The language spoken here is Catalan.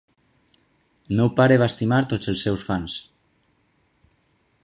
El meu pare va estimar tots els seus fans.